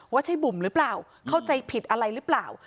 ว่าใช่บุ่มหรือเปล่าเข้าใจผิดอะไรหรือเปล่า